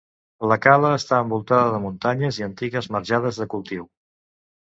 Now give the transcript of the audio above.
La cala està envoltada de muntanyes i antigues marjades de cultiu.